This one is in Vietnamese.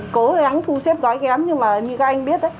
cố gắng thu xếp gói kém nhưng mà như các anh biết đấy